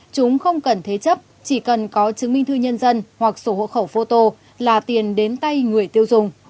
chúng không cần thế chấp chỉ cần có chứng minh thư nhân dân hoặc sổ hộ khẩu phô tô là tiền đến tay người tiêu dùng